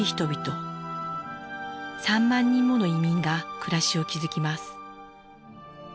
３万人もの移民が暮らしを築きます。